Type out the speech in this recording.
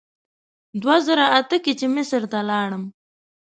دوه زره اته کې چې مصر ته لاړم.